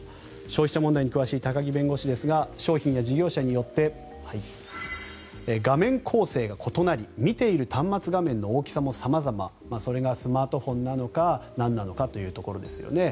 消費者問題に詳しい高木弁護士は商品や事業者によって画面構成が異なり見ている端末画面の大きさも様々それがスマートフォンなのかなんなのかというところですよね。